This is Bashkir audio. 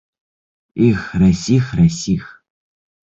Их, Рәсих, Рәсих!